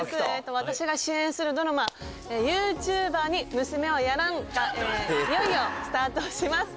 私が主演するドラマ『ユーチューバーに娘はやらん！』がいよいよスタートします。